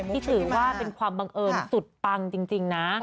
ที่ถือว่าเป็นความบังเอิญสุดปังจริงนะ